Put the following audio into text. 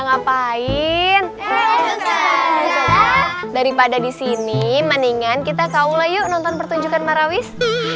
ngapain daripada disini mendingan kita kaulah yuk nonton pertunjukan marawis